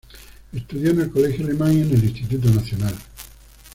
Estudió en el Colegio Alemán y en el Instituto Nacional.